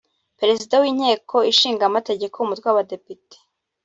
Perezida w’Inteko ishinga amategeko Umutwe w’Abadepite